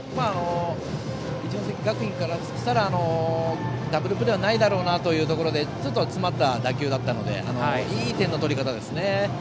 一関学院からしたらダブルプレーはないだろうというところでちょっと詰まった打球だったのでいい点の取り方ですね。